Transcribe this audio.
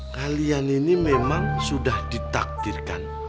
kalian ini memang sudah ditakdirkan